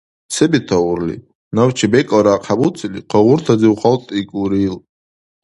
— Се бетаурли? — набчи бекӀалра ахъхӀебуцили, кагъуртазив халтӀикӀулри ил.